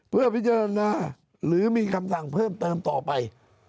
เพื่อพิจารณาหรือมีคำสั่งเพิ่มเติมต่อไป